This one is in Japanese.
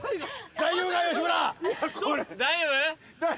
大丈夫？